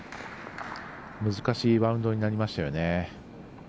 難しいバウンドになりましたよね。